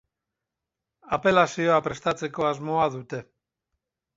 Apelazioa prestatzeko asmoa dute.